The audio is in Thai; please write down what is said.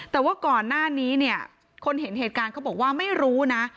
แต่ว่าก่อนหน้านี้เนี่ยคนเห็นเหตุการณ์เขาบอกว่าไม่รู้นะ